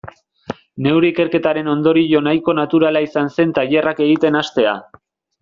Neure ikerketaren ondorio nahiko naturala izan zen tailerrak egiten hastea.